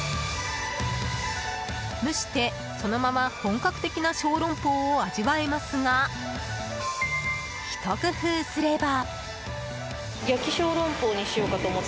蒸してそのまま本格的な小龍包を味わえますが、ひと工夫すれば。